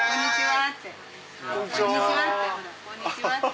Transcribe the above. こんにちは！って。